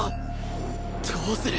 どうする？